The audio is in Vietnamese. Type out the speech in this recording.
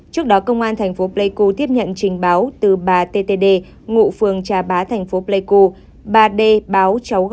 trước đó công an thành phố pleiku tiếp nhận trình báo từ bà t t d ngụ phường trà bá thành phố pleiku